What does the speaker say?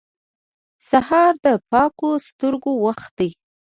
سهار د پاکو سترګو وخت دی.